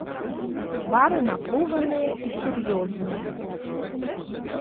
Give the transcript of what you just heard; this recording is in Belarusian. Твары напружаныя і сур'ёзныя.